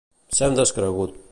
Ser un descregut.